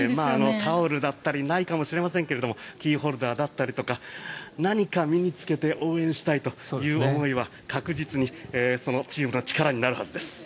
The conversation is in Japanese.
タオルだったりないかもしませんがキーホルダーだったり何か身に着けて応援したいという思いは確実にチームの力になるはずです。